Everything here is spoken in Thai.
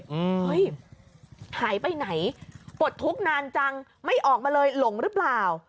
เฮ้ยหายไปไหนปลดทุกข์นานจังไม่ออกมาเลยหลงหรือเปล่า